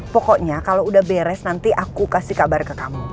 pokoknya kalau udah beres nanti aku kasih kabar ke kamu